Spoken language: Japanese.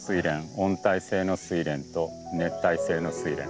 温帯性のスイレンと熱帯性のスイレン。